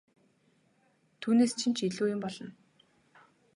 Түүнээс чинь ч илүү юм болно!